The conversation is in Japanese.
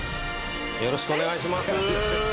よろしくお願いします。